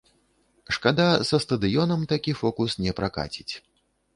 Шкада, са стадыёнам такі фокус не пракаціць.